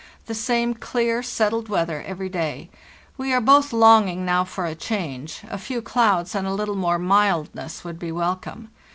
. The same clear, settled weather every day. We are both longing now for a change; a few clouds and a little more mildness would be welcome."